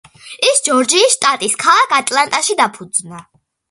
ის ჯორჯიის შტატის ქალაქ ატლანტაში დაფუძნდა.